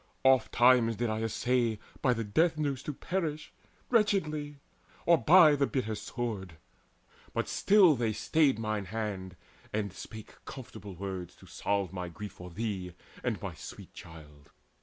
Oftentimes did I essay By the death noose to perish wretchedly, Or by the bitter sword; but still they stayed Mine hand, and still spake comfortable words To salve my grief for thee and my sweet child.